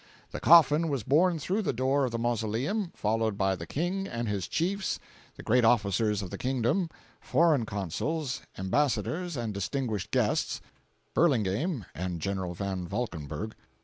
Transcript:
The coffin was borne through the door of the mausoleum, followed by the King and his chiefs, the great officers of the kingdom, foreign Consuls, Embassadors and distinguished guests (Burlingame and General Van Valkenburgh).